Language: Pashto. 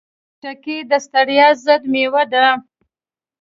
خټکی د ستړیا ضد مېوه ده.